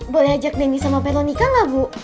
boleh ajak denny sama peronika gak bu